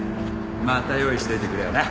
また用意しといてくれよな。